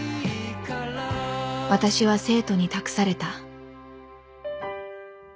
私は生徒に託された